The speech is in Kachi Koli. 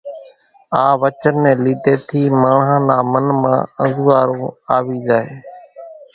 آ وچن ني لِيڌي ٿي ماڻۿان نا من مان انزوئارون آوي زائي